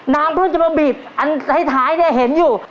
น้ำของเราจะมาบีบนกไว้อยู่